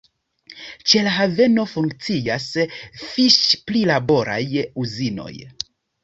Ĉe la haveno funkcias fiŝ-prilaboraj uzinoj.